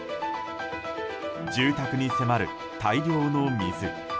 住宅に迫る、大量の水。